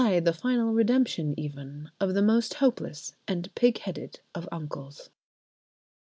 the final redemption even!—of the most hopeless and pig headed of uncles.